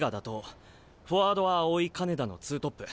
フォワードは青井金田の２トップ。